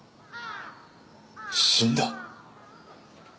死んだ？